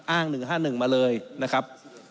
อ้าง๑๕๑มาเลยนะครับ